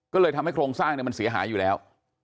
ก็เลยทำให้โครงสร้างมันเสียหายอยู่แล้ว